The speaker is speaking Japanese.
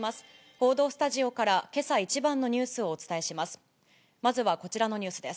報道スタジオから、けさ一番のニュースをお伝えします。